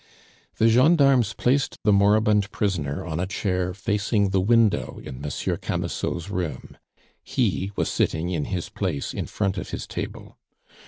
The gendarmes placed the moribund prisoner on a chair facing the window in Monsieur Camusot's room; he was sitting in his place in front of his table.